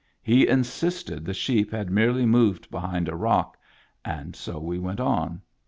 He insisted the sheep had merely moved behind a rock, and so we went on.